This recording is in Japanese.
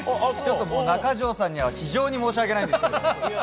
中条さんには非常に申し訳ないですが。